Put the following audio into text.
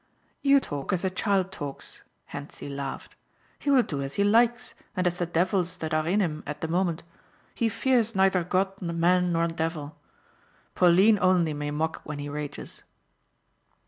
"You talk as a child talks," Hentzi laughed. "He will do as he likes and as the devils that are in him at the moment. He fears neither God, man, nor devil. Pauline only may mock when he rages."